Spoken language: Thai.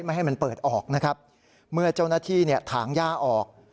ไม่ให้มันเปิดออกนะครับเมื่อเจ้าหน้าที่เนี่ยถางย่าออก